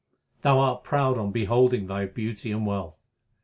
Thou art proud on beholding thy beauty and wealth.